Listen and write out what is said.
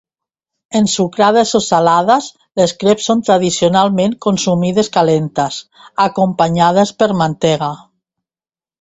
Ensucrades o salades, les creps són tradicionalment consumides calentes acompanyades per mantega.